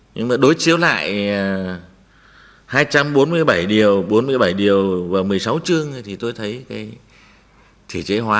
nhưng mà đối chiếu lại hai trăm bốn mươi bảy điều bốn mươi bảy điều và một mươi sáu chương thì tôi thấy cái thể chế hóa